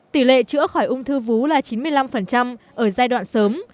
tỷ lệ chữa khỏi ung thư vú là chín mươi năm ở giai đoạn sớm